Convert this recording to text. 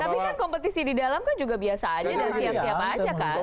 tapi kan kompetisi di dalam kan juga biasa aja dan siap siap aja kan